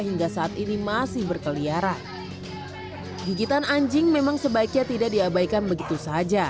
hingga saat ini masih berkeliaran gigitan anjing memang sebaiknya tidak diabaikan begitu saja